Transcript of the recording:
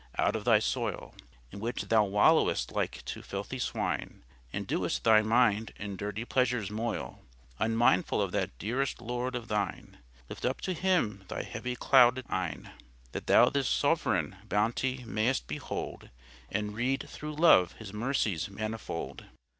out of thy soyle, In which thou wallowest like to filthy swyne, And doest thy mynd in durty pleasures moyle, Unmindfull of that dearest Lord of thyne; Lift up to Him thy heavie clouded eyne, That thou this soveraine bountie mayst behold, And read, through love, His mercies manifold.